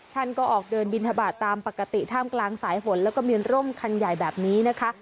ท่านก็ออกเดินบินทบาทตามปกติท่ามกลางสายฝนแล้วก็มีร่มคันใหญ่แบบนี้นะคะ